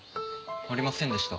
ありませんでした。